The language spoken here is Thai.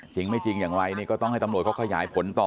จริงไม่จริงอย่างไรนี่ก็ต้องให้ตำรวจเขาขยายผลต่อ